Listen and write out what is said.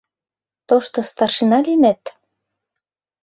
Тошто старшина лийнет!